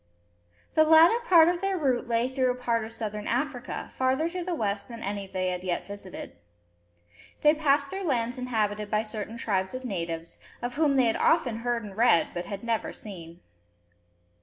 The latter part of their route lay through a part of Southern Africa, farther to the west than any they had yet visited. They passed through lands inhabited by certain tribes of natives, of whom they had often heard and read, but had never seen.